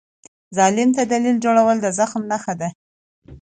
ظالم ته دلیل جوړول د زخم نښه ده.